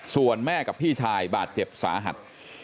ส่วนแม่กับพี่ชายบาดเจ็บสาหัส